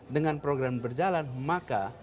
dengan program berjalan maka